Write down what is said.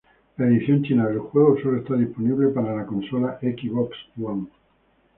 La edición china del juego sólo está disponible para la consola Xbox One.